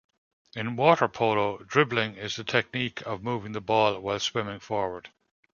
In water polo, dribbling is the technique of moving the ball while swimming forward.